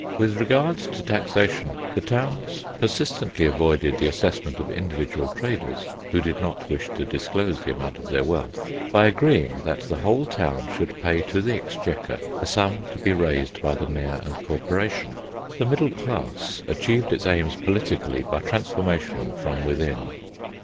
With regard to taxation the towns persistently avoided the assessment of individual traders, who did not wish to disclose the amount of their wealth, by agreeing that the whole town should pay to the Exchequer a sum to be raised by the Mayor and Corporation. The middle class achieved its aims politically by transformation from within.